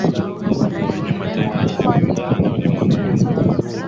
kwenye mataifa ishirini na nane ulimwenguni